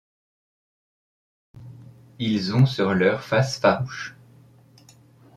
Ils ont sur leurs. faces farouches